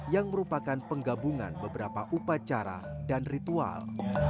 yang merupakan penggabungan beberapa upacara dan ritual